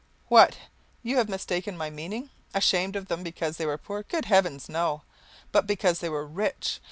What! You have mistaken my meaning? Ashamed of them because they were poor? Good heavens, no, but because they were rich!